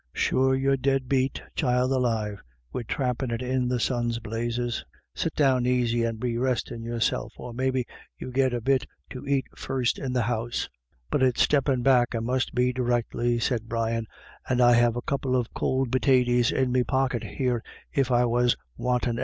Sure you're dead beat, child alive, wid trampin' it in the sun's blazes ; sit down aisy and be restin' yourself, or maybe you git a bit to ait first in the house." u But it's steppin' back I must be directly," said BACKWARDS AND FORWARDS. 271 Brian, " and I have a couple of could pitaties in me pocket here if I was wantin' anythin'.